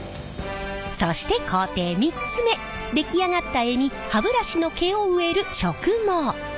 そして工程３つ目出来上がった柄に歯ブラシの毛を植える植毛。